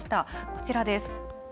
こちらです。